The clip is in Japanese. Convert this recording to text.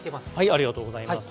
ありがとうございます。